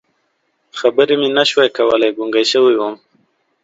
خبرې مې نه شوې کولی، ګونګی شوی وم.